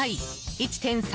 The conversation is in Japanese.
１．３